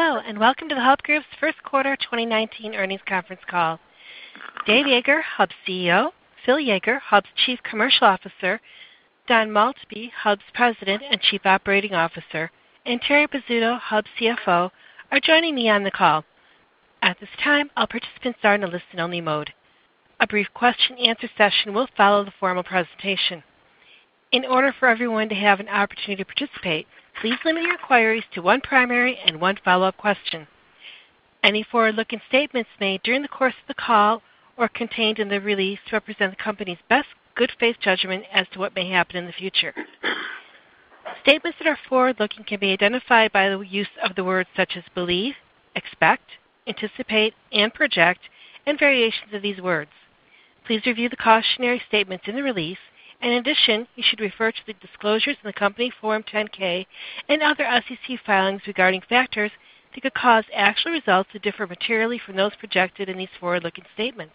Hello, welcome to the Hub Group's first quarter 2019 earnings conference call. David Yeager, Hub's CEO, Phil Yeager, Hub's Chief Commercial Officer, Donald Maltby, Hub's President and Chief Operating Officer, and Terri Pizzuto, Hub's CFO, are joining me on the call. At this time, all participants are in a listen-only mode. A brief question-and-answer session will follow the formal presentation. In order for everyone to have an opportunity to participate, please limit your queries to one primary and one follow-up question. Any forward-looking statements made during the course of the call or contained in the release represent the company's best good faith judgment as to what may happen in the future. Statements that are forward-looking can be identified by the use of words such as "believe," "expect," "anticipate," and "project," and variations of these words. Please review the cautionary statements in the release. You should refer to the disclosures in the company Form 10-K and other SEC filings regarding factors that could cause actual results to differ materially from those projected in these forward-looking statements.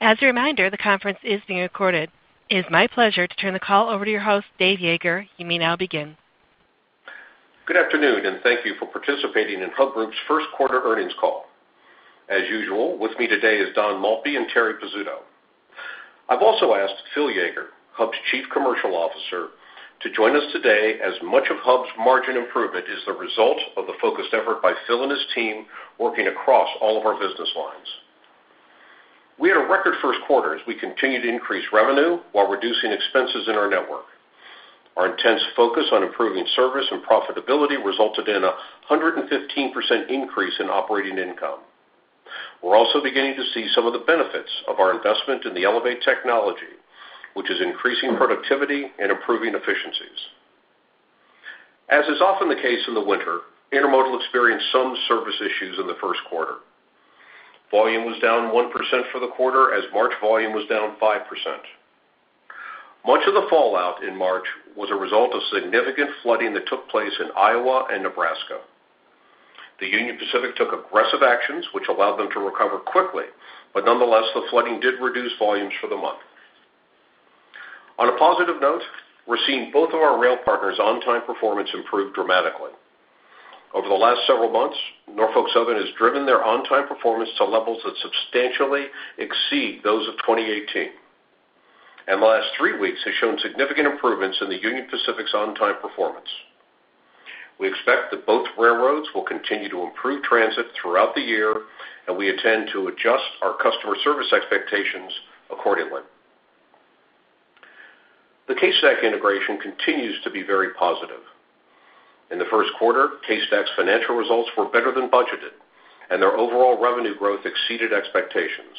As a reminder, the conference is being recorded. It's my pleasure to turn the call over to your host, David Yeager. You may now begin. Good afternoon, thank you for participating in Hub Group's first quarter earnings call. As usual, with me today is Donald Maltby and Terri Pizzuto. I've also asked Phil Yeager, Hub's Chief Commercial Officer, to join us today as much of Hub's margin improvement is the result of the focused effort by Phil and his team working across all of our business lines. We had a record first quarter as we continued to increase revenue while reducing expenses in our network. Our intense focus on improving service and profitability resulted in a 115% increase in operating income. We're also beginning to see some of the benefits of our investment in the Elevate technology, which is increasing productivity and improving efficiencies. As is often the case in the winter, intermodal experienced some service issues in the first quarter. Volume was down 1% for the quarter as March volume was down 5%. Much of the fallout in March was a result of significant flooding that took place in Iowa and Nebraska. The Union Pacific took aggressive actions, which allowed them to recover quickly, nonetheless, the flooding did reduce volumes for the month. On a positive note, we're seeing both of our rail partners' on-time performance improve dramatically. Over the last several months, Norfolk Southern has driven their on-time performance to levels that substantially exceed those of 2018, the last three weeks have shown significant improvements in the Union Pacific's on-time performance. We expect that both railroads will continue to improve transit throughout the year, we intend to adjust our customer service expectations accordingly. The CaseStack integration continues to be very positive. In the first quarter, CaseStack's financial results were better than budgeted, their overall revenue growth exceeded expectations.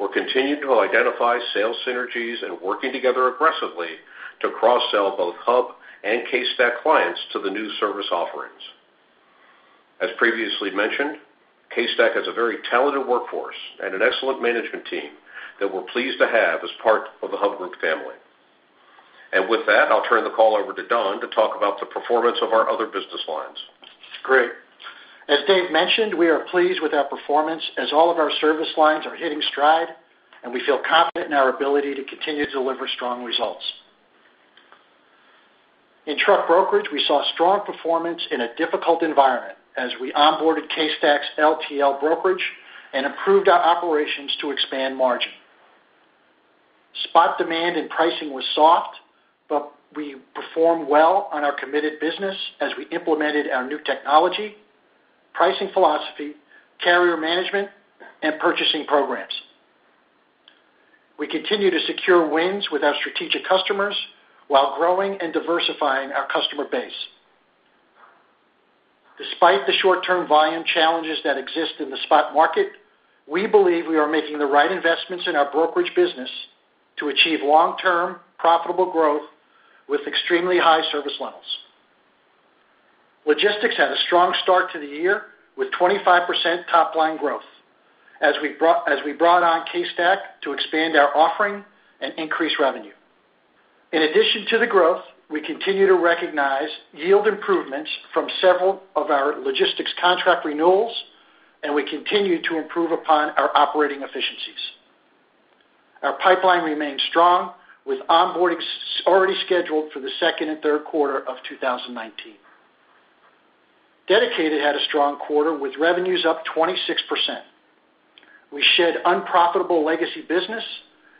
We're continuing to identify sales synergies and working together aggressively to cross-sell both Hub and CaseStack clients to the new service offerings. As previously mentioned, CaseStack has a very talented workforce and an excellent management team that we're pleased to have as part of the Hub Group family. With that, I'll turn the call over to Don to talk about the performance of our other business lines. Great. As Dave mentioned, we are pleased with our performance as all of our service lines are hitting stride, and we feel confident in our ability to continue to deliver strong results. In truck brokerage, we saw strong performance in a difficult environment as we onboarded CaseStack's LTL brokerage and improved our operations to expand margin. Spot demand and pricing were soft, but we performed well on our committed business as we implemented our new technology, pricing philosophy, carrier management, and purchasing programs. We continue to secure wins with our strategic customers while growing and diversifying our customer base. Despite the short-term volume challenges that exist in the spot market, we believe we are making the right investments in our brokerage business to achieve long-term profitable growth with extremely high service levels. Logistics had a strong start to the year with 25% top-line growth as we brought on CaseStack to expand our offering and increase revenue. In addition to the growth, we continue to recognize yield improvements from several of our logistics contract renewals, and we continue to improve upon our operating efficiencies. Our pipeline remains strong, with onboardings already scheduled for the second and third quarter of 2019. Dedicated had a strong quarter with revenues up 26%. We shed unprofitable legacy business,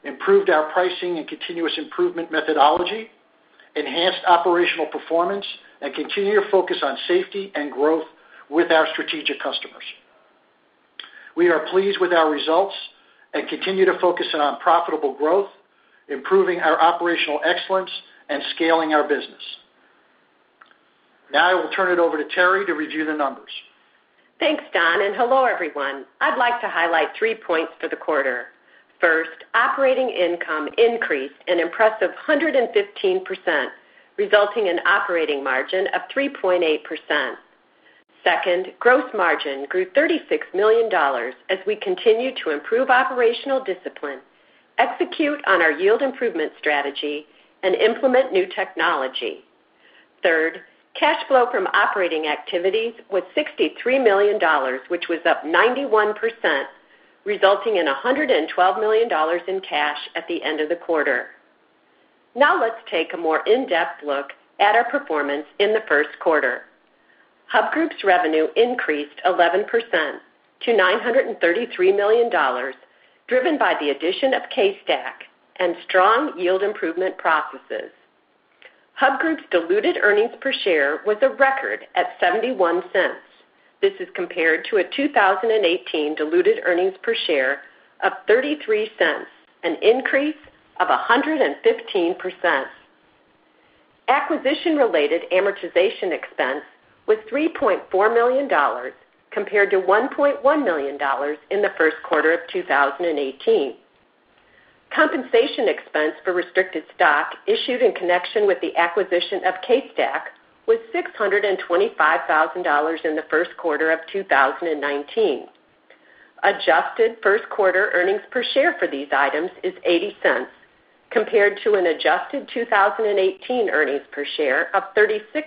improved our pricing and continuous improvement methodology, enhanced operational performance, we continue to focus on safety and growth with our strategic customers. We are pleased with our results and continue to focus on profitable growth, improving our operational excellence, and scaling our business. Now I will turn it over to Terri to review the numbers. Thanks, Don. Hello, everyone. I'd like to highlight three points for the quarter. First, operating income increased an impressive 115%, resulting in operating margin of 3.8%. Second, gross margin grew $36 million as we continue to improve operational discipline, execute on our yield improvement strategy, and implement new technology. Third, cash flow from operating activities was $63 million, which was up 91%, resulting in $112 million in cash at the end of the quarter. Now let's take a more in-depth look at our performance in the first quarter. Hub Group's revenue increased 11% to $933 million, driven by the addition of CaseStack and strong yield improvement processes. Hub Group's diluted earnings per share was a record at $0.71. This is compared to a 2018 diluted earnings per share of $0.33, an increase of 115%. Acquisition-related amortization expense was $3.4 million, compared to $1.1 million in the first quarter of 2018. Compensation expense for restricted stock issued in connection with the acquisition of CaseStack was $625,000 in the first quarter of 2019. Adjusted first quarter earnings per share for these items is $0.80, compared to an adjusted 2018 earnings per share of $0.36,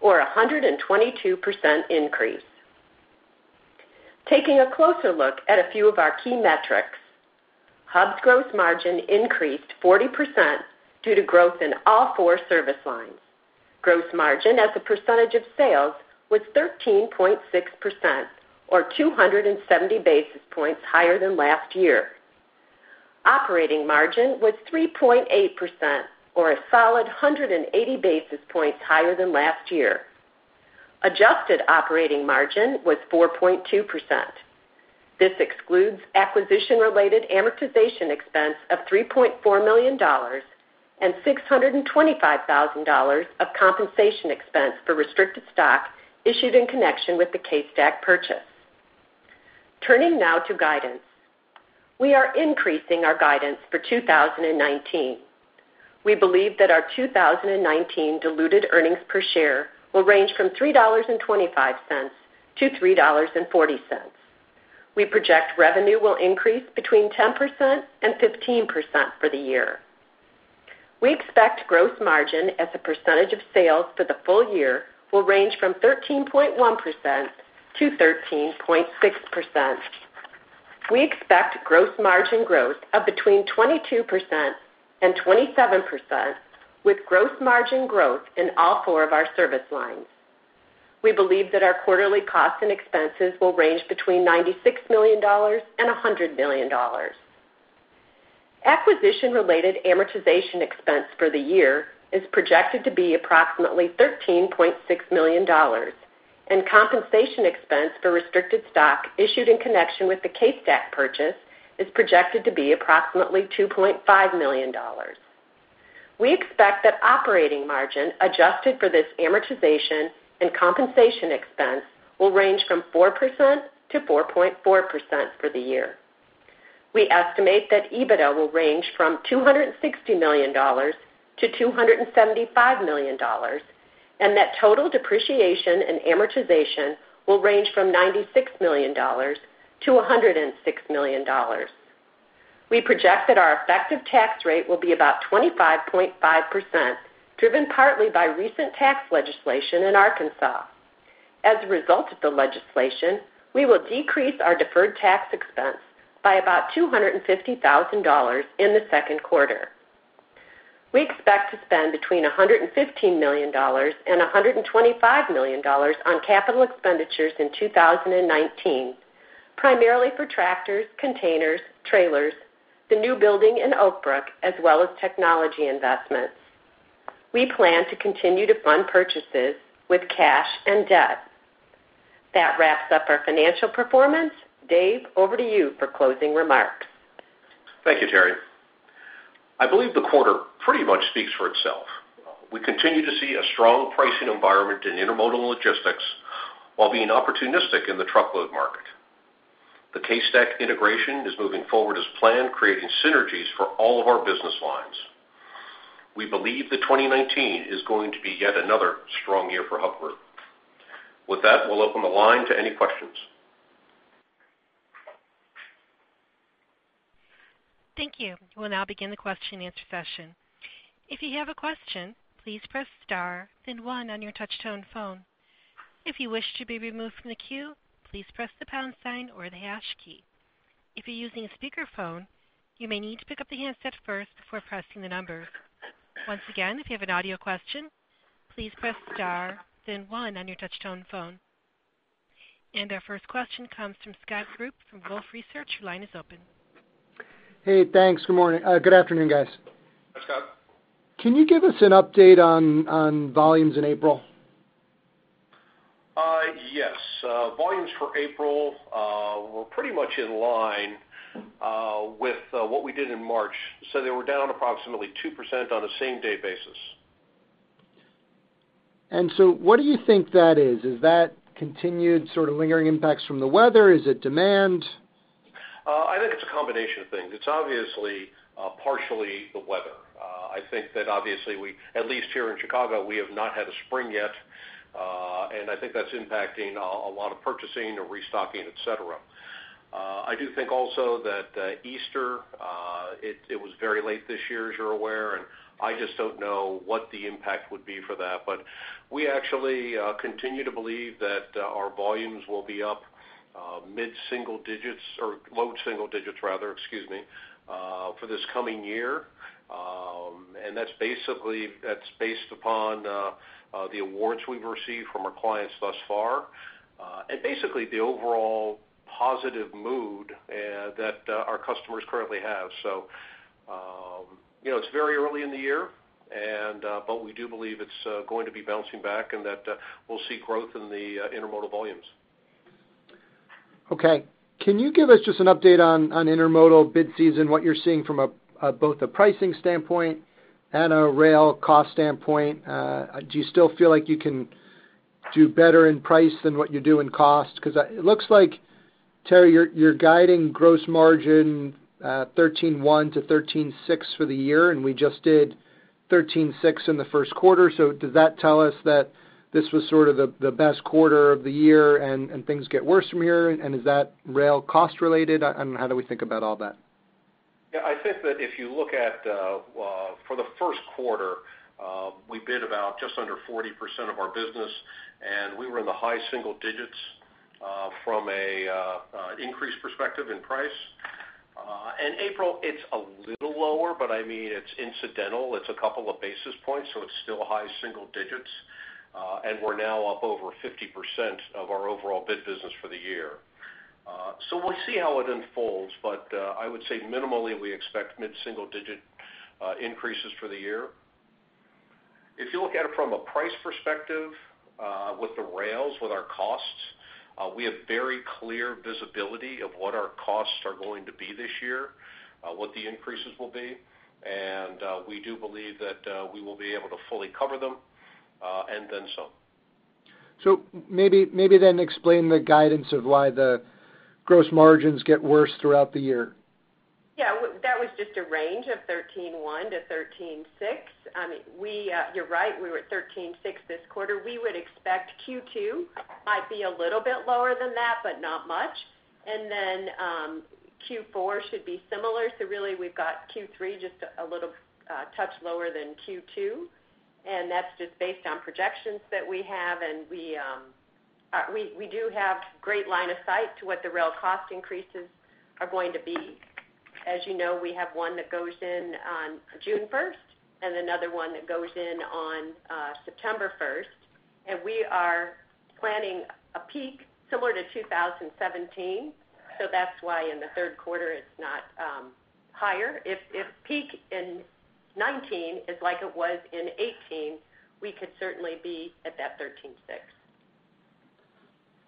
or 122% increase. Taking a closer look at a few of our key metrics. Hub's gross margin increased 40% due to growth in all four service lines. Gross margin as a percentage of sales was 13.6%, or 270 basis points higher than last year. Operating margin was 3.8%, or a solid 180 basis points higher than last year. Adjusted operating margin was 4.2%. This excludes acquisition-related amortization expense of $3.4 million and $625,000 of compensation expense for restricted stock issued in connection with the CaseStack purchase. Turning now to guidance. We are increasing our guidance for 2019. We believe that our 2019 diluted earnings per share will range from $3.25-$3.40. We project revenue will increase between 10% and 15% for the year. We expect gross margin as a percentage of sales for the full year will range from 13.1%-13.6%. We expect gross margin growth of between 22% and 27%, with gross margin growth in all four of our service lines. We believe that our quarterly costs and expenses will range between $96 million and $100 million. Acquisition-related amortization expense for the year is projected to be approximately $13.6 million, and compensation expense for restricted stock issued in connection with the CaseStack purchase is projected to be approximately $2.5 million. We expect that operating margin adjusted for this amortization and compensation expense will range from 4%-4.4% for the year. We estimate that EBITDA will range from $260 million-$275 million, and that total depreciation and amortization will range from $96 million-$106 million. We project that our effective tax rate will be about 25.5%, driven partly by recent tax legislation in Arkansas. As a result of the legislation, we will decrease our deferred tax expense by about $250,000 in the second quarter. We expect to spend between $115 million and $125 million on capital expenditures in 2019, primarily for tractors, containers, trailers, the new building in Oak Brook, as well as technology investments. We plan to continue to fund purchases with cash and debt. That wraps up our financial performance. Dave, over to you for closing remarks. Thank you, Teri. I believe the quarter pretty much speaks for itself. We continue to see a strong pricing environment in intermodal logistics while being opportunistic in the truckload market. The CaseStack integration is moving forward as planned, creating synergies for all of our business lines. We believe that 2019 is going to be yet another strong year for Hub Group. With that, we'll open the line to any questions. Thank you. We'll now begin the question and answer session. If you have a question, please press star then one on your touch-tone phone. If you wish to be removed from the queue, please press the pound sign or the hash key. If you're using a speakerphone, you may need to pick up the handset first before pressing the numbers. Once again, if you have an audio question, please press star then one on your touch-tone phone. Our first question comes from Scott Group from Wolfe Research. Your line is open. Hey, thanks. Good morning. Good afternoon, guys. Hi, Scott. Can you give us an update on volumes in April? Yes. Volumes for April were pretty much in line with what we did in March. They were down approximately 2% on a same-day basis. What do you think that is? Is that continued sort of lingering impacts from the weather? Is it demand? I think it's a combination of things. It's obviously partially the weather. I think that obviously we, at least here in Chicago, we have not had a spring yet. I think that's impacting a lot of purchasing or restocking, et cetera. I do think also that Easter, it was very late this year, as you're aware, and I just don't know what the impact would be for that. We actually continue to believe that our volumes will be up mid single digits or low single digits rather, excuse me, for this coming year. That's based upon the awards we've received from our clients thus far, and basically the overall positive mood that our customers currently have. It's very early in the year, but we do believe it's going to be bouncing back and that we'll see growth in the intermodal volumes. Okay. Can you give us just an update on intermodal bid season, what you're seeing from both a pricing standpoint and a rail cost standpoint? Do you still feel like you can do better in price than what you do in cost? It looks like, Terri, you're guiding gross margin 13.1%-13.6% for the year, and we just did 13.6% in the first quarter. Does that tell us that this was sort of the best quarter of the year and things get worse from here? Is that rail cost related? How do we think about all that? Yeah, I think that if you look at for the first quarter, we bid about just under 40% of our business, and we were in the high single digits, from an increase perspective in price. In April, it's a little lower, but it's incidental. It's a couple of basis points, it's still high single digits. We're now up over 50% of our overall bid business for the year. We'll see how it unfolds, but I would say minimally, we expect mid-single digit increases for the year. If you look at it from a price perspective, with the rails, with our costs, we have very clear visibility of what our costs are going to be this year, what the increases will be. We do believe that we will be able to fully cover them, and then some. Maybe then explain the guidance of why the gross margins get worse throughout the year. Yeah, that was just a range of 13.1%-13.6%. You're right, we were at 13.6% this quarter. We would expect Q2 might be a little bit lower than that, but not much. Q4 should be similar. Really we've got Q3 just a little touch lower than Q2, and that's just based on projections that we have. We do have great line of sight to what the rail cost increases are going to be. As you know, we have one that goes in on June 1st and another one that goes in on September 1st, and we are planning a peak similar to 2017. That's why in the third quarter it's not higher. If peak in 2019 is like it was in 2018, we could certainly be at that 13.6%.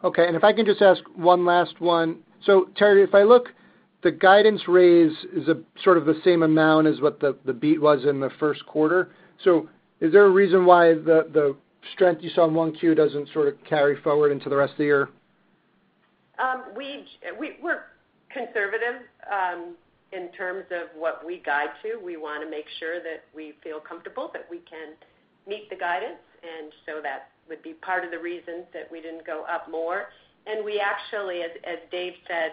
Okay, if I can just ask one last one. Terri, if I look, the guidance raise is sort of the same amount as what the beat was in the first quarter. Is there a reason why the strength you saw in 1Q doesn't sort of carry forward into the rest of the year? We're conservative in terms of what we guide to. We want to make sure that we feel comfortable that we can meet the guidance, that would be part of the reason that we didn't go up more. We actually, as Dave said,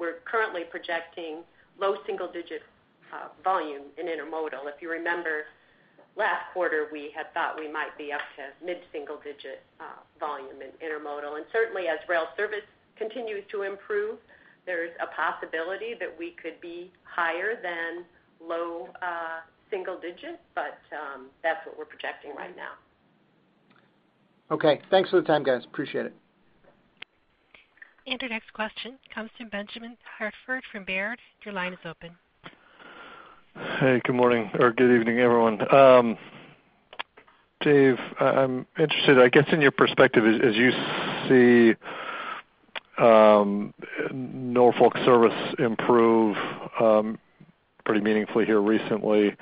we're currently projecting low single-digit volume in intermodal. If you remember, last quarter, we had thought we might be up to mid-single-digit volume in intermodal. Certainly as rail service continues to improve, there's a possibility that we could be higher than low single digits. That's what we're projecting right now. Okay. Thanks for the time, guys. Appreciate it. Your next question comes from Benjamin Hartford from Baird. Your line is open. Hey, good morning or good evening, everyone. Dave, I'm interested, I guess, in your perspective as you see Norfolk service improve pretty meaningfully here recently.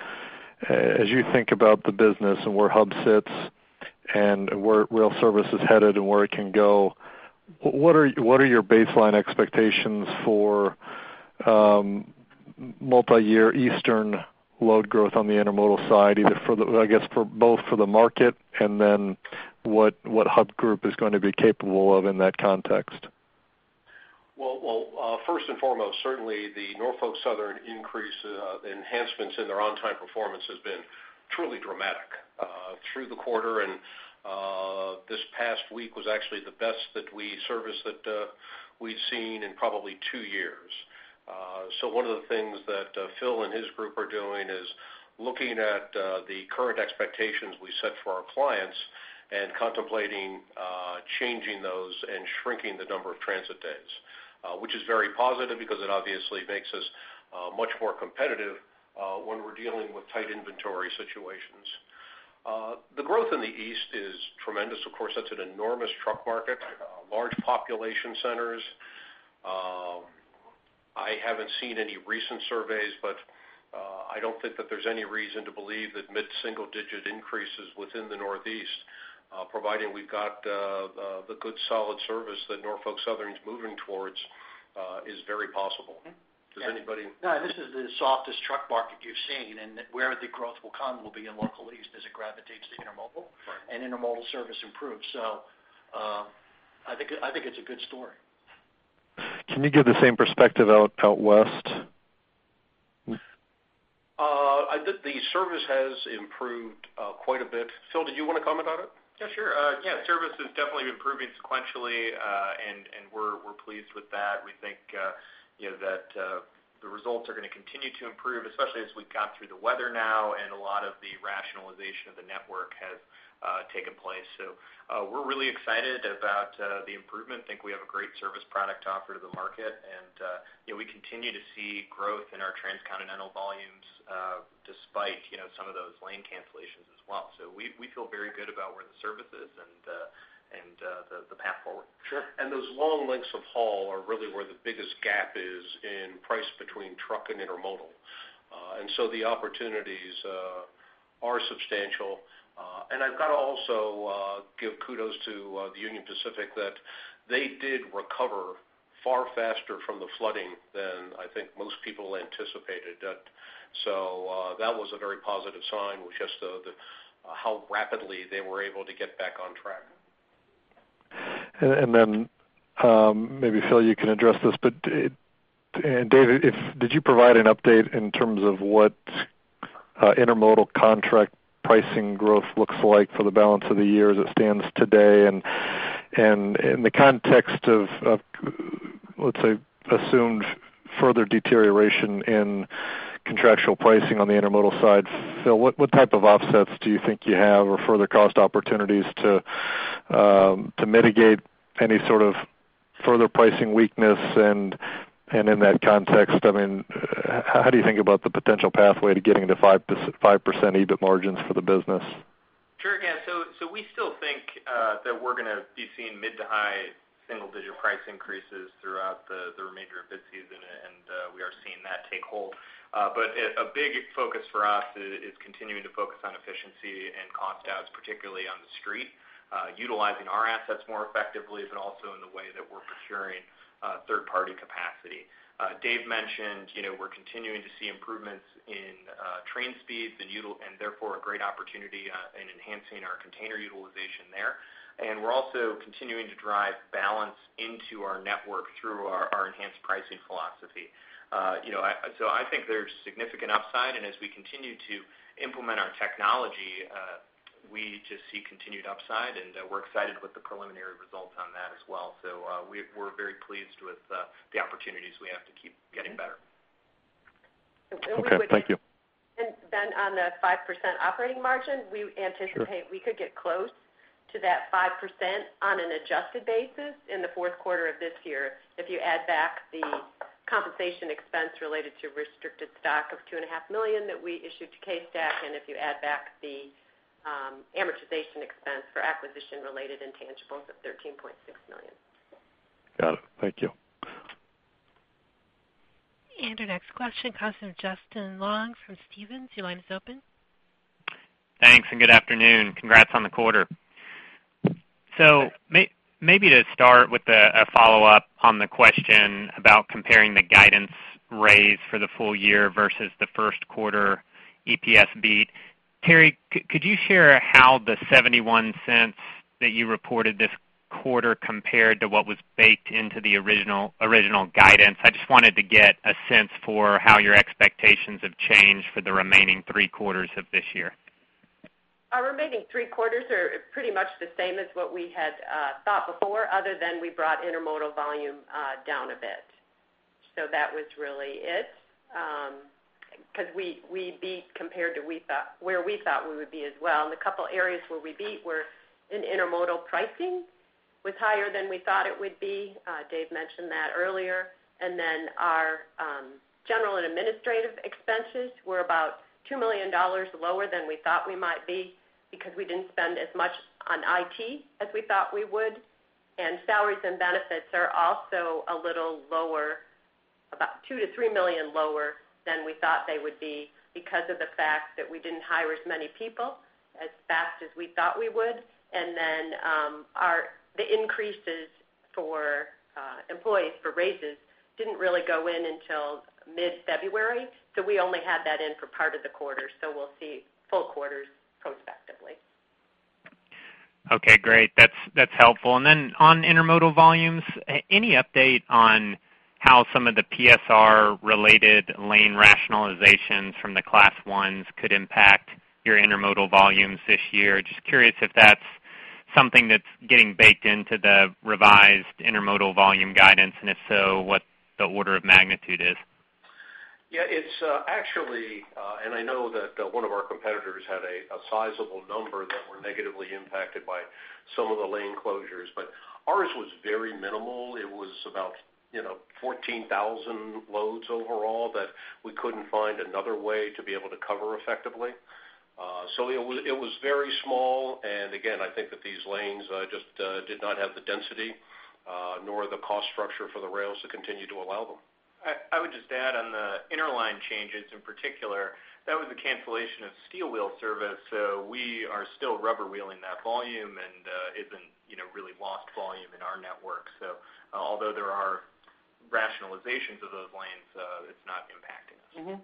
As you think about the business and where Hub sits and where rail service is headed and where it can go, what are your baseline expectations for multi-year Eastern load growth on the intermodal side, either for, I guess, both for the market and then what Hub Group is going to be capable of in that context? Well, first and foremost, certainly the Norfolk Southern increase enhancements in their on-time performance has been truly dramatic through the quarter, and this past week was actually the best service that we've seen in probably two years. One of the things that Phil and his group are doing is looking at the current expectations we set for our clients and contemplating changing those and shrinking the number of transit days, which is very positive because it obviously makes us much more competitive when we're dealing with tight inventory situations. The growth in the East is tremendous. Of course, that's an enormous truck market, large population centers. I haven't seen any recent surveys, but I don't think that there's any reason to believe that mid-single digit increases within the Northeast, providing we've got the good solid service that Norfolk Southern's moving towards, is very possible. Does anybody. This is the softest truck market you've seen, and where the growth will come will be in local east as it gravitates to intermodal and intermodal service improves. I think it's a good story. Can you give the same perspective out west? Service has improved quite a bit. Phil, did you want to comment on it? Yeah, sure. Service has definitely been improving sequentially. We're pleased with that. We think that the results are going to continue to improve, especially as we've got through the weather now and a lot of the rationalization of the network has taken place. We're really excited about the improvement, think we have a great service product to offer to the market. We continue to see growth in our transcontinental volumes, despite some of those lane cancellations as well. We feel very good about where the service is and the path forward. Sure. Those long lengths of haul are really where the biggest gap is in price between truck and intermodal. The opportunities are substantial. I've got to also give kudos to the Union Pacific that they did recover far faster from the flooding than I think most people anticipated. That was a very positive sign, was just how rapidly they were able to get back on track. Maybe Phil, you can address this, but David, did you provide an update in terms of what intermodal contract pricing growth looks like for the balance of the year as it stands today? In the context of, let's say, assumed further deterioration in contractual pricing on the intermodal side, Phil, what type of offsets do you think you have or further cost opportunities to mitigate any sort of further pricing weakness? In that context, how do you think about the potential pathway to getting to 5% EBIT margins for the business? Sure. Yeah. We still think that we're going to be seeing mid to high single digit price increases throughout the remainder of this season, and we are seeing that take hold. A big focus for us is continuing to focus on efficiency and cost downs, particularly on the street, utilizing our assets more effectively, but also in the way that we're procuring third party capacity. Dave mentioned we're continuing to see improvements in train speeds and therefore a great opportunity in enhancing our container utilization there. We're also continuing to drive balance into our network through our enhanced pricing philosophy. I think there's significant upside, and as we continue to implement our technology, we just see continued upside and we're excited with the preliminary results on that as well. We're very pleased with the opportunities we have to keep getting better. Okay. Thank you. On the 5% operating margin, we anticipate we could get close to that 5% on an adjusted basis in the fourth quarter of this year. If you add back the compensation expense related to restricted stock of two and a half million that we issued to CaseStack, and if you add back the amortization expense for acquisition related intangibles of $13.6 million. Got it. Thank you. Our next question comes from Justin Long from Stephens. Your line is open. Thanks and good afternoon. Congrats on the quarter. Maybe to start with a follow-up on the question about comparing the guidance raise for the full year versus the first quarter EPS beat. Teri, could you share how the $0.71 that you reported this quarter compared to what was baked into the original guidance? I just wanted to get a sense for how your expectations have changed for the remaining three quarters of this year. Our remaining three quarters are pretty much the same as what we had thought before, other than we brought intermodal volume down a bit. That was really it because we beat compared to where we thought we would be as well. The couple areas where we beat were in intermodal pricing was higher than we thought it would be. Dave mentioned that earlier. Our general and administrative expenses were about $2 million lower than we thought we might be because we didn't spend as much on IT as we thought we would. Salaries and benefits are also a little lower, about $2 million-$3 million lower than we thought they would be because of the fact that we didn't hire as many people as fast as we thought we would. The increases for employees for raises didn't really go in until mid-February. We only had that in for part of the quarter. We'll see full quarters prospectively. Okay, great. That's helpful. On intermodal volumes, any update on how some of the PSR related lane rationalizations from the class ones could impact your intermodal volumes this year? Just curious if that's something that's getting baked into the revised intermodal volume guidance, and if so, what the order of magnitude is. I know that one of our competitors had a sizable number that were negatively impacted by some of the lane closures, but ours was very minimal. It was about 14,000 loads overall that we couldn't find another way to be able to cover effectively. I think that these lanes just did not have the density nor the cost structure for the rails to continue to allow them. I would just add on the interline changes in particular, that was a cancellation of steel wheel service. We are still rubber wheeling that volume and isn't really lost volume in our network. Although there are rationalizations of those lanes, it's not impacting us.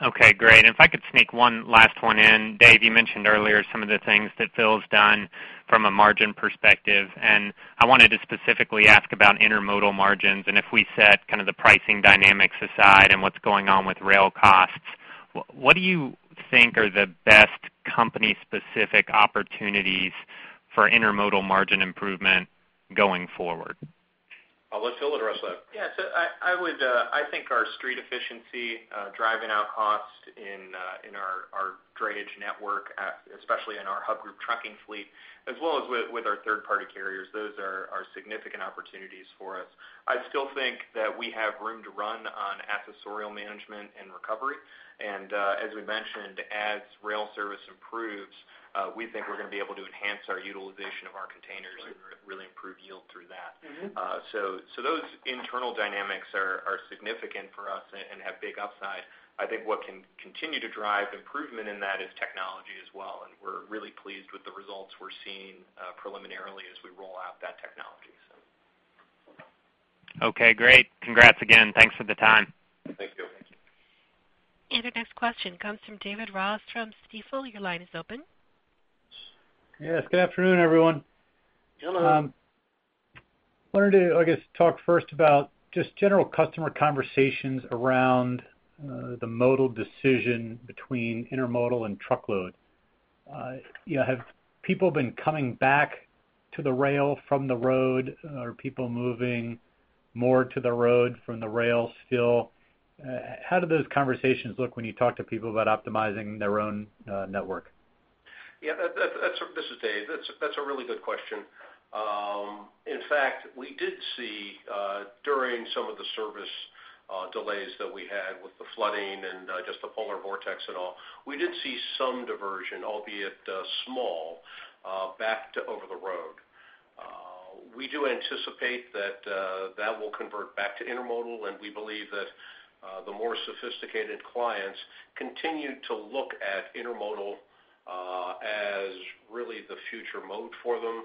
Okay, great. If I could sneak one last one in. Dave, you mentioned earlier some of the things that Phil's done from a margin perspective. I wanted to specifically ask about intermodal margins, if we set kind of the pricing dynamics aside and what's going on with rail costs. What do you think are the best company-specific opportunities for intermodal margin improvement going forward? I'll let Phil address that. Yes. I think our street efficiency, driving out costs in our drayage network, especially in our Hub Group Trucking fleet, as well as with our third-party carriers, those are significant opportunities for us. I still think that we have room to run on accessorial management and recovery. As we mentioned, as rail service improves, we think we're going to be able to enhance our utilization of our containers and really improve yield through that. Those internal dynamics are significant for us and have big upside. What can continue to drive improvement in that is technology as well, and we're really pleased with the results we're seeing preliminarily as we roll out that technology. Okay, great. Congrats again. Thanks for the time. Thank you. Thank you. Our next question comes from David Ross from Stifel. Your line is open. Yes. Good afternoon, everyone. Hello. Wanted to, I guess, talk first about just general customer conversations around the modal decision between intermodal and truckload. Have people been coming back to the rail from the road? Are people moving more to the road from the rail still? How do those conversations look when you talk to people about optimizing their own network? Yeah. This is Dave. That's a really good question. In fact, we did see, during some of the service delays that we had with the flooding and just the polar vortex and all, we did see some diversion, albeit small, back to over the road. We do anticipate that will convert back to intermodal, and we believe that the more sophisticated clients continue to look at intermodal as really the future mode for them.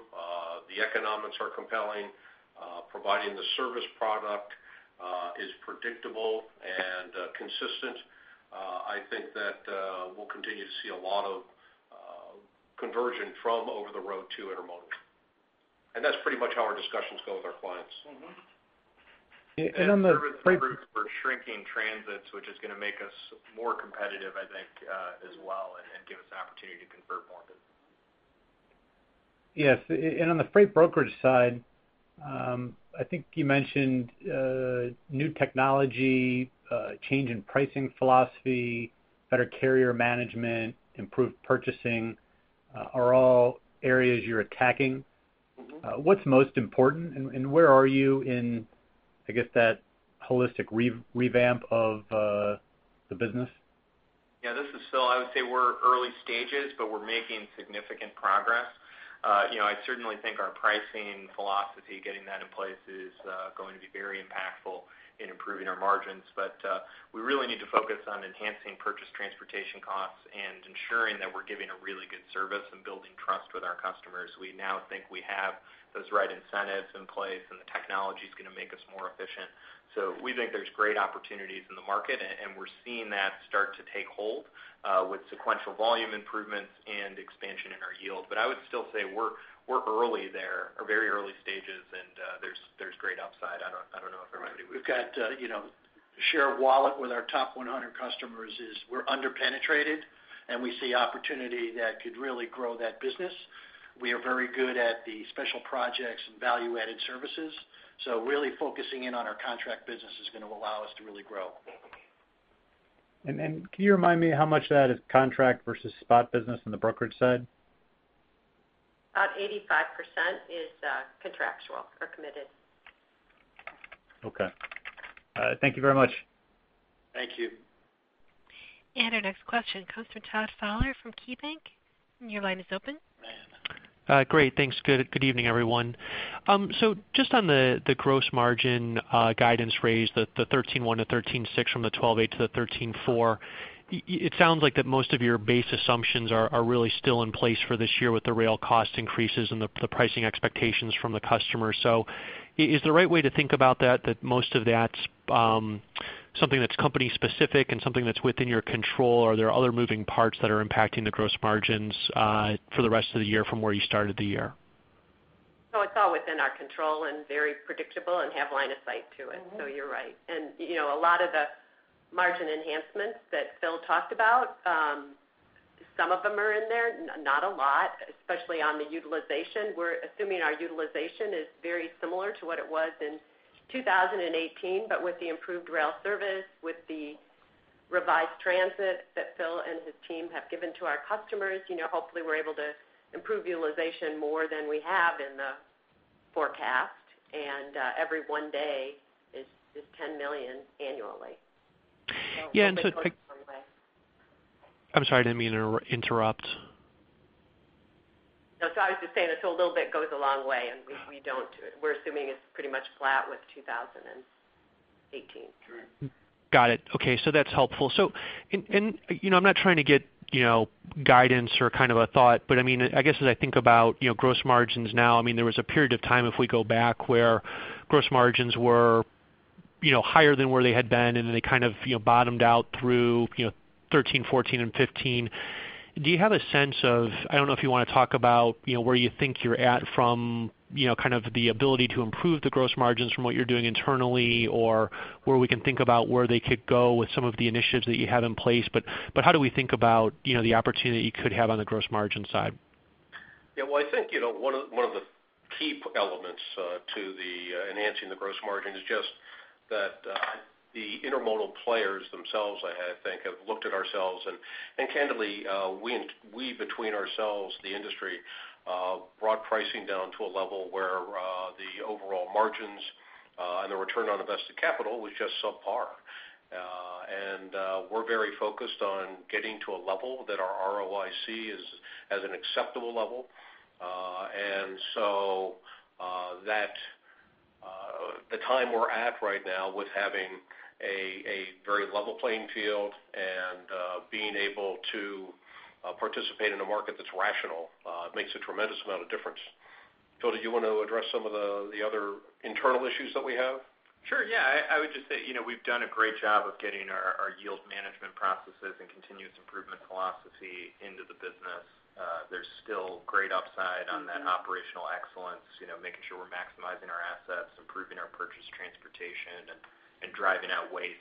The economics are compelling. Providing the service product is predictable and consistent. I think that we'll continue to see a lot of conversion from over the road to intermodal. That's pretty much how our discussions go with our clients. Mm-hmm. Service agreements for shrinking transits, which is going to make us more competitive, I think, as well, and give us an opportunity to convert more of it. Yes. On the freight brokerage side, I think you mentioned new technology, change in pricing philosophy, better carrier management, improved purchasing, are all areas you're attacking. What's most important, where are you in, I guess, that holistic revamp of the business? Yeah, this is Phil. I would say we're early stages, we're making significant progress. I certainly think our pricing philosophy, getting that in place is going to be very impactful in improving our margins. We really need to focus on enhancing purchase transportation costs and ensuring that we're giving a really good service and building trust with our customers. We now think we have those right incentives in place, the technology is going to make us more efficient. We think there's great opportunities in the market, we're seeing that start to take hold with sequential volume improvements and expansion in our yield. I would still say we're early there, or very early stages, there's great upside. We've got share of wallet with our top 100 customers is we're under-penetrated, and we see opportunity that could really grow that business. We are very good at the special projects and value-added services. Really focusing in on our contract business is going to allow us to really grow. Can you remind me how much of that is contract versus spot business on the brokerage side? About 85% is contractual or committed. Okay. Thank you very much. Thank you. Our next question comes from Todd Fowler from KeyBank. Your line is open. Great. Thanks. Good evening, everyone. Just on the gross margin guidance raise, the 13.1%-13.6% from the 12.8%-13.4%, it sounds like that most of your base assumptions are really still in place for this year with the rail cost increases and the pricing expectations from the customer. Is the right way to think about that that most of that's something that's company specific and something that's within your control? Are there other moving parts that are impacting the gross margins for the rest of the year from where you started the year? It's all within our control and very predictable and have line of sight to it. You're right. A lot of the margin enhancements that Phil talked about, some of them are in there, not a lot, especially on the utilization. We're assuming our utilization is very similar to what it was in 2018, but with the improved rail service, with the revised transit that Phil and his team have given to our customers, hopefully we're able to improve utilization more than we have in the forecast. Every one day is $10 million annually. A little bit goes a long way. I'm sorry. I didn't mean to interrupt. No. I was just saying that a little bit goes a long way. We're assuming it's pretty much flat with 2018. True. Got it. Okay. That's helpful. I'm not trying to get guidance or kind of a thought, but I guess as I think about gross margins now, there was a period of time, if we go back, where gross margins were higher than where they had been, and then they kind of bottomed out through 2013, 2014, and 2015. Do you have a sense of, I don't know if you want to talk about where you think you're at from the ability to improve the gross margins from what you're doing internally, or where we can think about where they could go with some of the initiatives that you have in place. How do we think about the opportunity you could have on the gross margin side? Yeah. Well, I think one of the key elements to enhancing the gross margin is just that the intermodal players themselves, I think, have looked at ourselves, and candidly we between ourselves, the industry, brought pricing down to a level where the overall margins and the return on invested capital was just subpar. We're very focused on getting to a level that our ROIC is at an acceptable level. The time we're at right now with having a very level playing field and being able to participate in a market that's rational makes a tremendous amount of difference. Phil, do you want to address some of the other internal issues that we have? Sure, yeah. I would just say we've done a great job of getting our yield management processes and continuous improvement philosophy into the business. There's still great upside on that operational excellence, making sure we're maximizing our assets, improving our purchase transportation, and driving out waste.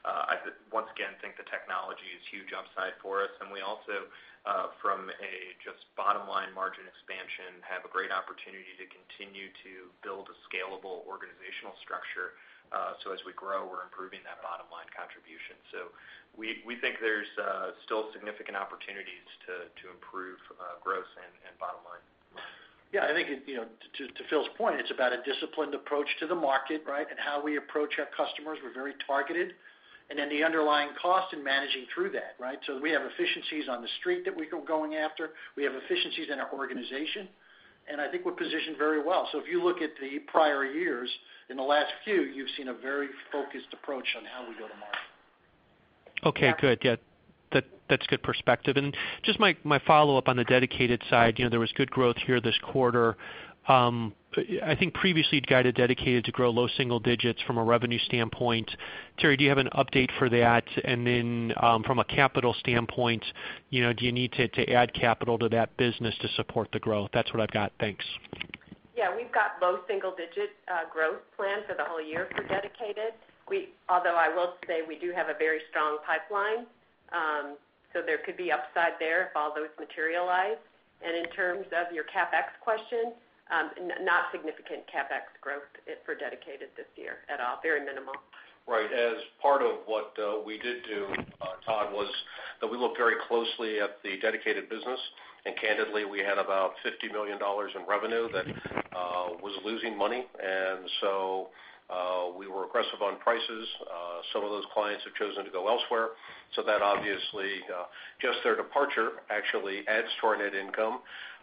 I once again think the technology is huge upside for us, and we also from a just bottom-line margin expansion, have a great opportunity to continue to build a scalable organizational structure. As we grow, we're improving that bottom-line contribution. We think there's still significant opportunities to improve gross and bottom line. Yeah, I think to Phil's point, it's about a disciplined approach to the market, right? How we approach our customers. We're very targeted. The underlying cost in managing through that, right? We have efficiencies on the street that we're going after. We have efficiencies in our organization, and I think we're positioned very well. If you look at the prior years, in the last few, you've seen a very focused approach on how we go to market. Okay, good. Yeah. That's good perspective. Just my follow-up on the dedicated side, there was good growth here this quarter. I think previously you'd guided dedicated to grow low single digits from a revenue standpoint. Teri, do you have an update for that? From a capital standpoint, do you need to add capital to that business to support the growth? That's what I've got. Thanks. Yeah, we've got low single-digit growth plan for the whole year for dedicated. Although I will say we do have a very strong pipeline. There could be upside there if all those materialize. In terms of your CapEx question, not significant CapEx growth for dedicated this year at all. Very minimal. Right. As part of what we did do, Todd, was that we looked very closely at the dedicated business, candidly, we had about $50 million in revenue that was losing money. We were aggressive on prices. Some of those clients have chosen to go elsewhere. That obviously just their departure actually adds to our net income.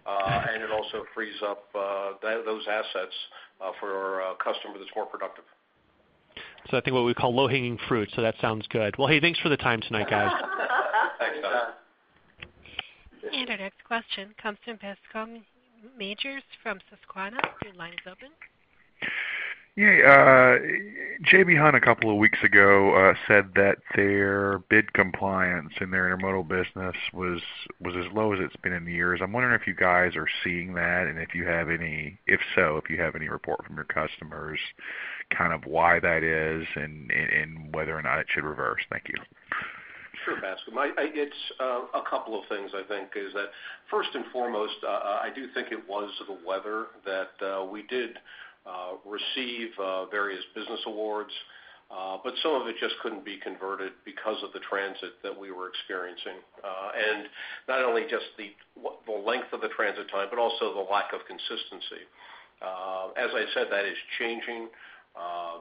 It also frees up those assets for a customer that's more productive. I think what we call low-hanging fruit. That sounds good. Well, hey, thanks for the time tonight, guys. Thanks, Todd. Our next question comes from Bascome Majors from Susquehanna. Your line is open. Yeah. J.B. Hunt a couple of weeks ago said that their bid compliance in their intermodal business was as low as it's been in years. I am wondering if you guys are seeing that, and if so, if you have any report from your customers kind of why that is and whether or not it should reverse. Thank you. Sure, Bascome. It is a couple of things, I think, is that first and foremost, I do think it was the weather that we did receive various business awards. Some of it just couldn't be converted because of the transit that we were experiencing. Not only just the length of the transit time, but also the lack of consistency. As I said, that is changing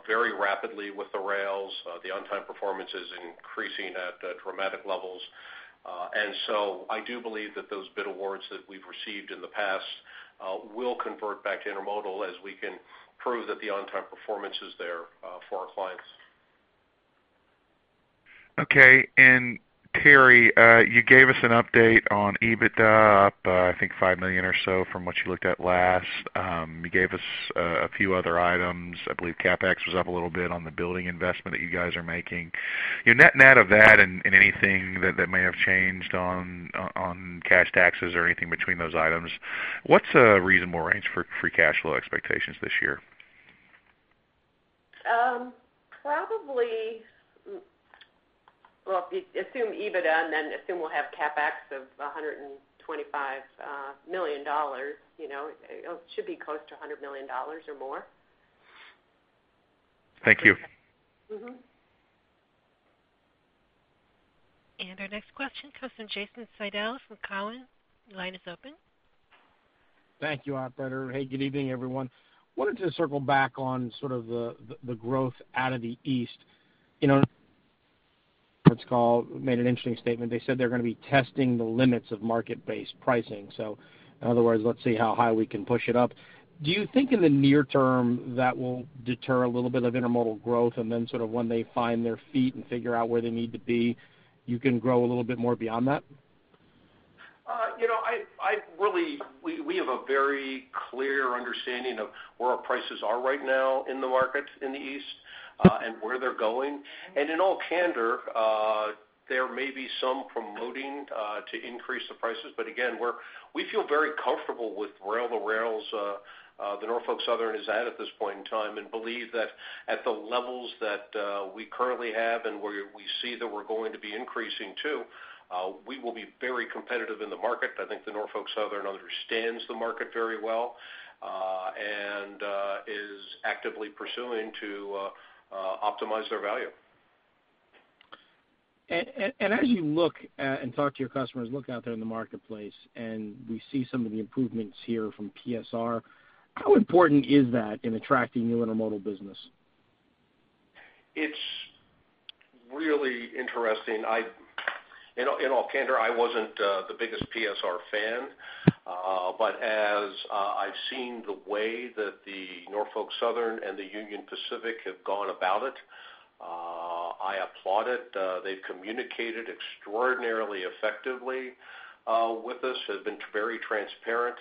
very rapidly with the rails. The on-time performance is increasing at dramatic levels. So I do believe that those bid awards that we have received in the past will convert back to intermodal as we can prove that the on-time performance is there for our clients. Okay. Teri, you gave us an update on EBITDA, up I think $5 million or so from what you looked at last. You gave us a few other items. I believe CapEx was up a little bit on the building investment that you guys are making. Net of that and anything that may have changed on cash taxes or anything between those items, what's a reasonable range for free cash flow expectations this year? Probably, well, if you assume EBITDA and then assume we'll have CapEx of $125 million, it should be close to $100 million or more. Thank you. Our next question comes from Jason Seidl from Cowen. Your line is open. Thank you, operator. Hey, good evening, everyone. Wanted to circle back on sort of the growth out of the East. Let's call, made an interesting statement. They said they're going to be testing the limits of market-based pricing. In other words, let's see how high we can push it up. Do you think in the near term that will deter a little bit of intermodal growth, and then sort of when they find their feet and figure out where they need to be, you can grow a little bit more beyond that? We have a very clear understanding of where our prices are right now in the market in the East, and where they're going. In all candor, there may be some promoting to increase the prices. Again, we feel very comfortable with where the rails, the Norfolk Southern is at this point in time, and believe that at the levels that we currently have and where we see that we're going to be increasing to, we will be very competitive in the market. I think the Norfolk Southern understands the market very well, and is actively pursuing to optimize their value. As you look and talk to your customers, look out there in the marketplace, and we see some of the improvements here from PSR, how important is that in attracting new intermodal business? It's really interesting. In all candor, I wasn't the biggest PSR fan. As I've seen the way that the Norfolk Southern and the Union Pacific have gone about it, I applaud it. They've communicated extraordinarily effectively with us, have been very transparent.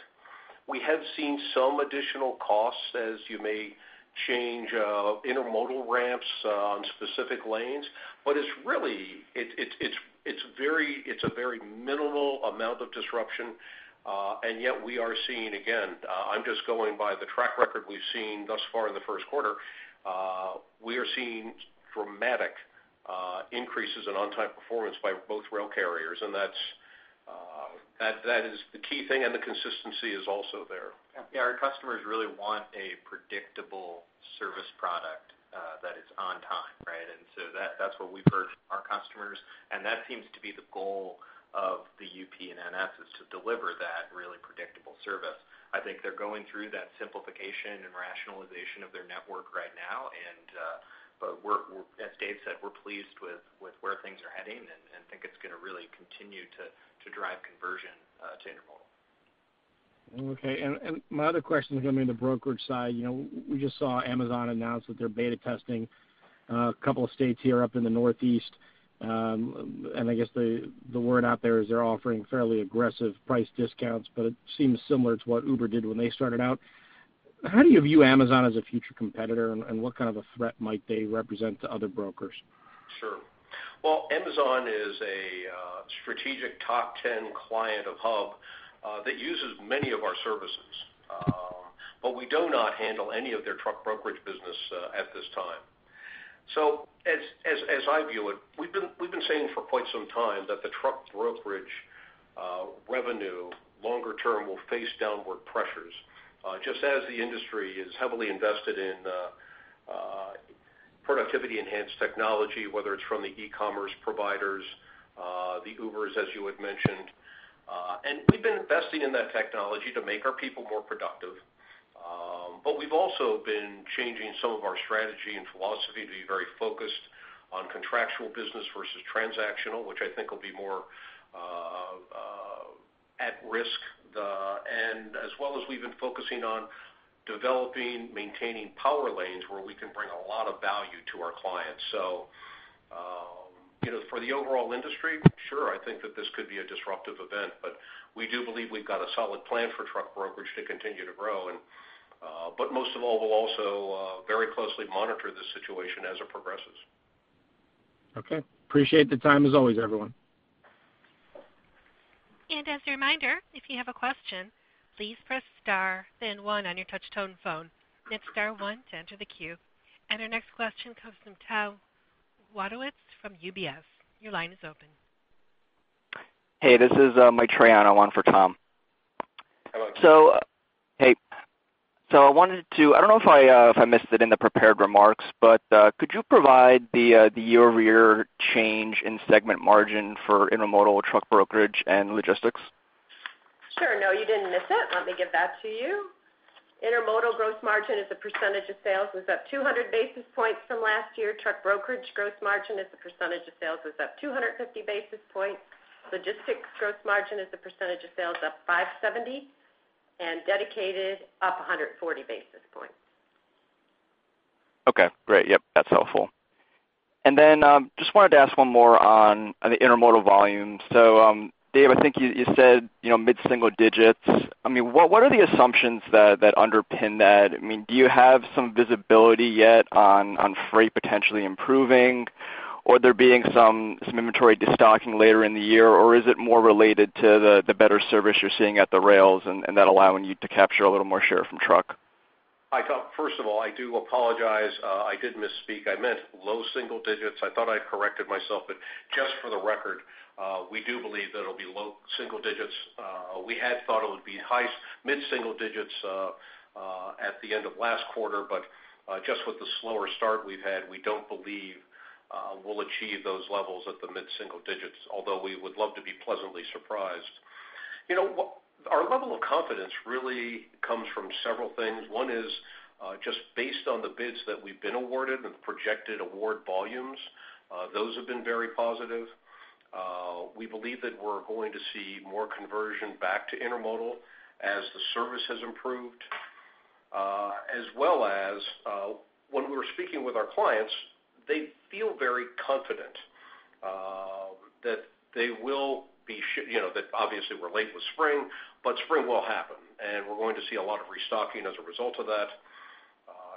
We have seen some additional costs as you may change intermodal ramps on specific lanes. It's a very minimal amount of disruption, and yet we are seeing, again, I'm just going by the track record we've seen thus far in the first quarter. We are seeing dramatic increases in on-time performance by both rail carriers. That is the key thing, and the consistency is also there. Yeah. Our customers really want a predictable service product that is on time. Right? That's what we've heard from our customers, and that seems to be the goal of the UP and NS is to deliver that really predictable service. I think they're going through that simplification and rationalization of their network right now. As Dave said, we're pleased with where things are heading and think it's going to really continue to drive conversion to intermodal. Okay. My other question is going to be on the brokerage side. We just saw Amazon announce that they're beta testing a couple of states here up in the Northeast. I guess the word out there is they're offering fairly aggressive price discounts, but it seems similar to what Uber did when they started out. How do you view Amazon as a future competitor, and what kind of a threat might they represent to other brokers? Sure. Well, Amazon is a strategic top 10 client of Hub that uses many of our services. We do not handle any of their truck brokerage business at this time. As I view it, we've been saying for quite some time that the truck brokerage revenue longer term will face downward pressures, just as the industry is heavily invested in productivity-enhanced technology, whether it's from the e-commerce providers, the Ubers, as you had mentioned. We've been investing in that technology to make our people more productive. We've also been changing some of our strategy and philosophy to be very focused on contractual business versus transactional, which I think will be more at risk. As well as we've been focusing on developing, maintaining power lanes where we can bring a lot of value to our clients. For the overall industry, sure, I think that this could be a disruptive event, we do believe we've got a solid plan for truck brokerage to continue to grow. Most of all, we'll also very closely monitor the situation as it progresses. Okay. Appreciate the time, as always, everyone. As a reminder, if you have a question, please press star one on your touch-tone phone. Hit star one to enter the queue. Our next question comes from Thomas Wadewitz from UBS. Your line is open. Hey, this is Mike Triano. I'm on for Tom. Hello. Hey. I wanted to, I don't know if I missed it in the prepared remarks, but could you provide the year-over-year change in segment margin for intermodal, truck brokerage, and logistics? Sure. No, you didn't miss it. Let me give that to you. Intermodal gross margin as a percentage of sales was up 200 basis points from last year. Truck brokerage gross margin as a percentage of sales was up 250 basis points. Logistics gross margin as a percentage of sales up 570. Dedicated up 140 basis points. Okay, great. Yep, that's helpful. Just wanted to ask one more on the intermodal volume. Dave, I think you said mid-single digits. What are the assumptions that underpin that? Do you have some visibility yet on freight potentially improving or there being some inventory destocking later in the year? Is it more related to the better service you're seeing at the rails and that allowing you to capture a little more share from truck? Hi, Tom. First of all, I do apologize. I did misspeak. I meant low single digits. I thought I'd corrected myself, just for the record, we do believe that it'll be low single digits. We had thought it would be mid-single digits at the end of last quarter, just with the slower start we've had, we don't believe we'll achieve those levels at the mid-single digits, although we would love to be pleasantly surprised. Our level of confidence really comes from several things. One is just based on the bids that we've been awarded and projected award volumes, those have been very positive. We believe that we're going to see more conversion back to intermodal as the service has improved. As well as when we're speaking with our clients, they feel very confident that obviously we're late with spring will happen, and we're going to see a lot of restocking as a result of that.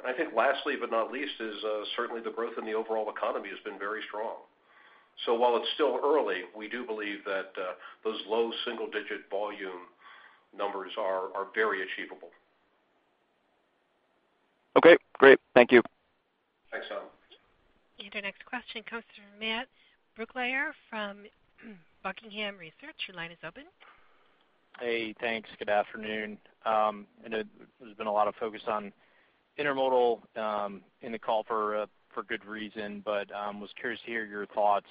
I think lastly but not least is certainly the growth in the overall economy has been very strong. While it's still early, we do believe that those low single-digit volume numbers are very achievable. Okay, great. Thank you. Thanks, Mike. Our next question comes from Matt Brueggemann from Buckingham Research. Your line is open. Hey, thanks. Good afternoon. I know there's been a lot of focus on intermodal in the call for good reason, but I was curious to hear your thoughts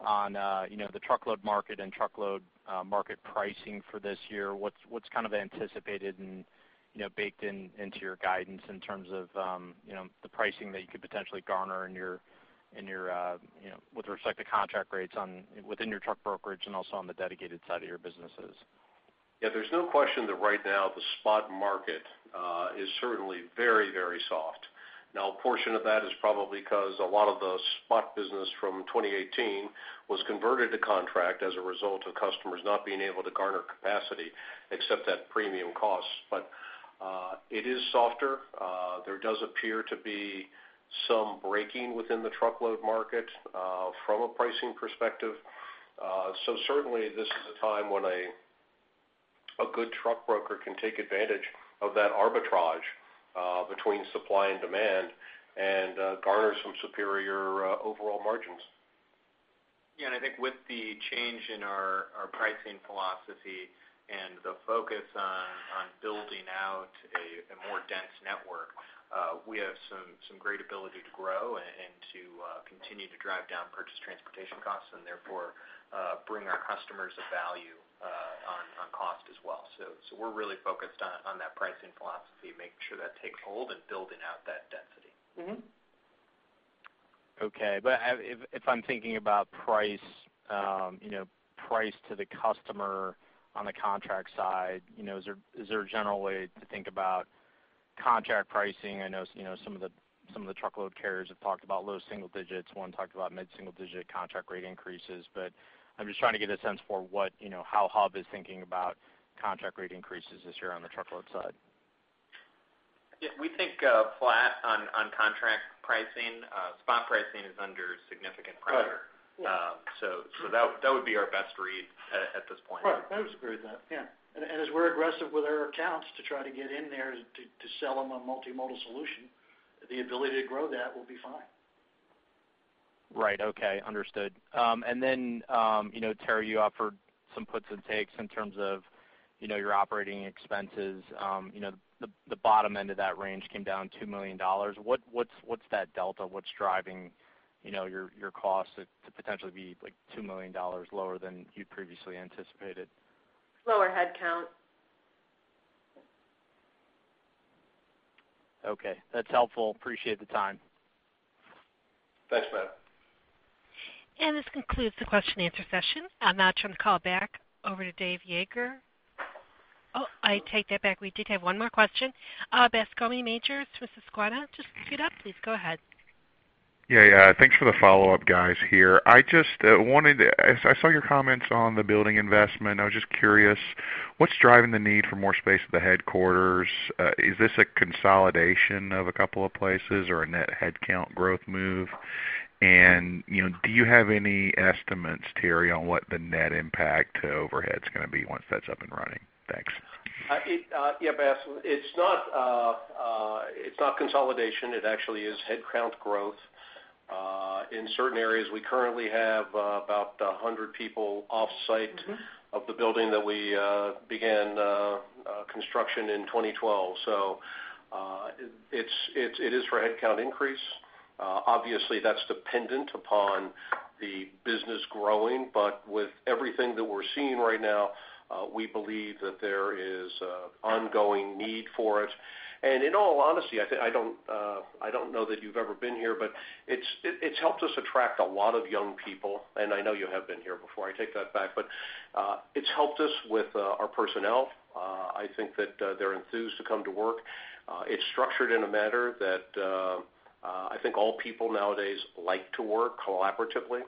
on the truckload market and truckload market pricing for this year. What's anticipated and baked into your guidance in terms of the pricing that you could potentially garner with respect to contract rates within your truck brokerage and also on the dedicated side of your businesses? There's no question that right now the spot market is certainly very, very soft. A portion of that is probably because a lot of the spot business from 2018 was converted to contract as a result of customers not being able to garner capacity except at premium costs. It is softer. There does appear to be some breaking within the truckload market from a pricing perspective. Certainly this is a time when a good truck broker can take advantage of that arbitrage between supply and demand and garner some superior overall margins. I think with the change in our pricing philosophy and the focus on building out a more dense network, we have some great ability to grow and to continue to drive down purchase transportation costs, and therefore bring our customers of value on cost as well. We're really focused on that pricing philosophy, making sure that takes hold and building out that density. If I'm thinking about price to the customer on the contract side, is there a general way to think about contract pricing? I know some of the truckload carriers have talked about low single digits. One talked about mid-single digit contract rate increases, but I'm just trying to get a sense for how Hub is thinking about contract rate increases this year on the truckload side. We think flat on contract pricing. Spot pricing is under significant pressure. Got it. That would be our best read at this point. Right. I would agree with that. Yeah. As we're aggressive with our accounts to try to get in there to sell them a multimodal solution, the ability to grow that will be fine. Right. Okay. Understood. Then Teri, you offered some puts and takes in terms of your operating expenses. The bottom end of that range came down $2 million. What's that delta? What's driving your costs to potentially be $2 million lower than you previously anticipated? Lower headcount. Okay. That's helpful. Appreciate the time. Thanks, Matt. This concludes the question and answer session. I'll now turn the call back over to Dave Yeager. Oh, I take that back. We did have one more question. Bascome Majors with Susquehanna just queued up. Please go ahead. Yeah. Thanks for the follow-up, guys, here. I saw your comments on the building investment. I was just curious, what's driving the need for more space at the headquarters? Is this a consolidation of a couple of places or a net headcount growth move? Do you have any estimates, Teri, on what the net impact to overhead's going to be once that's up and running? Thanks. Yeah, Bas, it's not consolidation. It actually is headcount growth. In certain areas, we currently have about 100 people offsite of the building that we began construction in 2012. It is for a headcount increase. Obviously, that's dependent upon the business growing, but with everything that we're seeing right now, we believe that there is ongoing need for it. In all honesty, I don't know that you've ever been here, but it's helped us attract a lot of young people. I know you have been here before. I take that back, but it's helped us with our personnel. I think that they're enthused to come to work. It's structured in a manner that I think all people nowadays like to work collaboratively.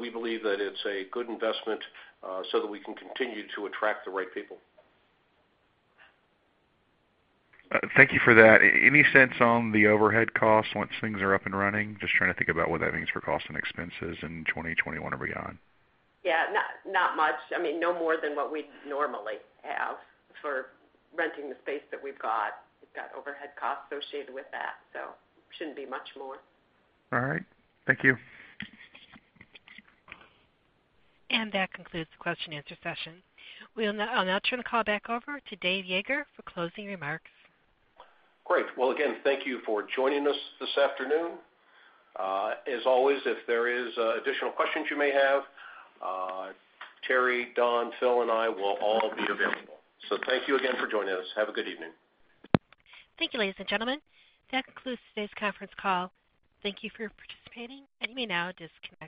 We believe that it's a good investment so that we can continue to attract the right people. Thank you for that. Any sense on the overhead cost once things are up and running? Just trying to think about what that means for cost and expenses in 2021 and beyond. Yeah, not much. No more than what we normally have for renting the space that we've got. We've got overhead costs associated with that. It shouldn't be much more. All right. Thank you. That concludes the question and answer session. I'll now turn the call back over to Dave Yeager for closing remarks. Great. Well, again, thank you for joining us this afternoon. As always, if there is additional questions you may have, Teri, Don, Phil, and I will all be available. Thank you again for joining us. Have a good evening. Thank you, ladies and gentlemen. That concludes today's conference call. Thank you for participating. You may now disconnect.